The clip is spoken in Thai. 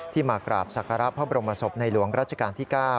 มากราบศักระพระบรมศพในหลวงราชการที่๙